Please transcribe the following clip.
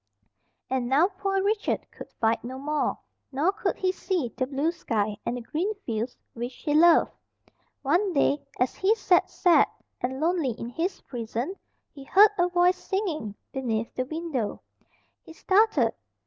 And now poor Richard could fight no more, nor could he see the blue sky, and the green fields which he loved. One day, as he sat sad and lonely in his prison, he heard a voice singing, beneath the window. He started.